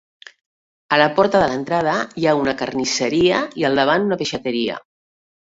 A la porta de l'entrada hi ha una carnisseria i al davant una peixateria.